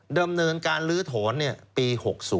เดิมเนินการรื้อโถนปี๖๐